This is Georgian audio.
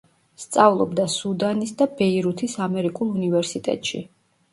სწავლობდა სუდანის და ბეირუთის ამერიკულ უნივერსიტეტში.